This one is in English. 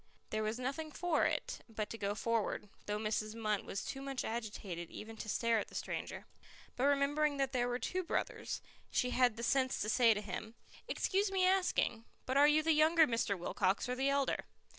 There was nothing for it but to go forward, though Mrs. Munt was too much agitated even to stare at the stranger. But remembering that there were two brothers, she had the sense to say to him, "Excuse me asking, but are you the younger Mr. Wilcox or the elder?"